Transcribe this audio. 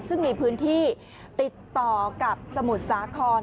ซึ่งมีพื้นที่ติดต่อกับสมุทรสาคร